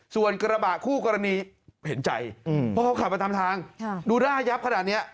ส่วนกระบะคู่กรณีเห็นใจเพราะเขาขับมาตามทางดูหน้ายับขนาดนี้